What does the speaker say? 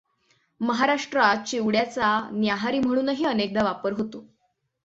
महाराष्ट्रात चिवडयाचा न्याहारी म्हणूनही अनेकदा वापर होतो.